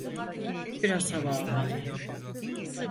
Biraz hava almalıyım.